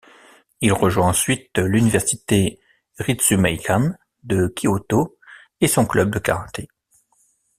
Il rejoint ensuite l'université Ritsumeikan de Kyoto et son club de karaté.